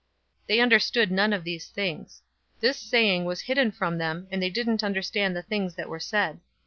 018:034 They understood none of these things. This saying was hidden from them, and they didn't understand the things that were said.